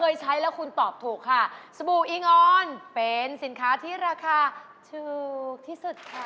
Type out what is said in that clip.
อยู่ที่